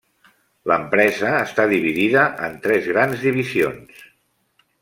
L'empresa està dividida en tres grans divisions: